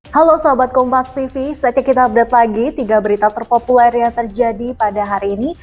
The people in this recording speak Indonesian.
halo sahabat kompak tv setelah kita update lagi tiga berita terpopuler yang terjadi pada hari ini